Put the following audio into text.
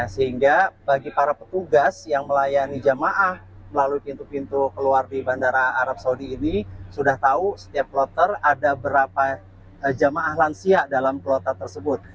sehingga bagi para petugas yang melayani jamaah melalui pintu pintu keluar di bandara arab saudi ini sudah tahu setiap kloter ada berapa jamaah lansia dalam kuota tersebut